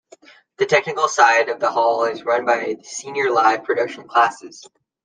The technical side of the hall is run by the senior live productions classes.